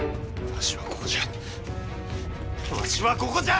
わしはここじゃ。